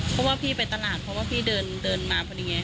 เพราะว่าพี่ไปตลาดเพราะว่าพี่เดินมาพอดีไง